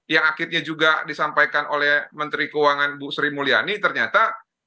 yang akhirnya juga disampaikan oleh menteri keuangan bu sri mulyani ternyata